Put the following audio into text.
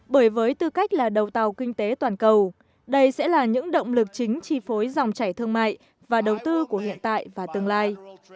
bởi với tư cách là đầu tàu kinh tế toàn cầu đây sẽ là những động lực chính chi phối dòng chảy thương mại và đầu tư của hiện tại và tương lai